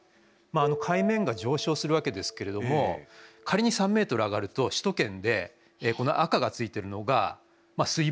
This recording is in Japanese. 海面が上昇するわけですけれども仮に３ｍ上がると首都圏でこの赤がついてるのが水没する所。